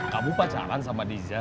kamu pacaran sama dija